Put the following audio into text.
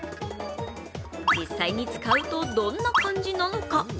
実際に使うと、どんな感じなのか？